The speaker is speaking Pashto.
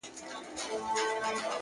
يوولس مياشتې يې پوره ماته ژړله”